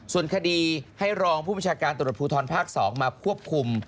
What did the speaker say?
ส่วนคดีให้รองผู้บัญชาการตำรวจภูทรภาค๒มาควบคุม